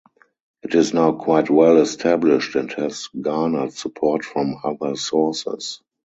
It is now quite well established and has garnered support from other sources.